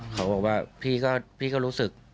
เขาบอกว่าพี่ก็รู้สึก